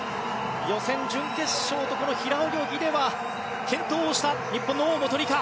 予選、準決勝とこの平泳ぎでは健闘をした日本の大本里佳。